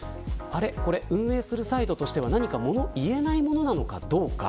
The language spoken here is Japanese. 運営するサイドとしては何か言えないものなのかどうか。